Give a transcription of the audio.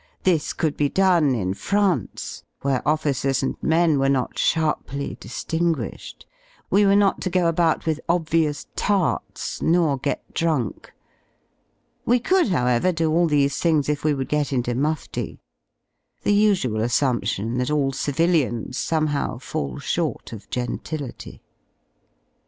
this could be done m France y where officers and men were not ( sharply diliwguished; we tvere not to go about with obvious 'Starts, nor get drunk. We could y however y do all these thmgs \if we would get into mufti — the usual assumption that all civilians somehow fall short of gentility.